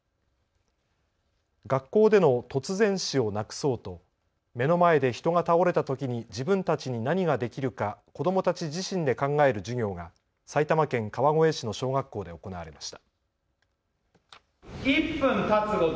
学校での突然死をなくそうと目の前で人が倒れたときに自分たちに何ができるか子どもたち自身で考える授業が埼玉県川越市の小学校で行われました。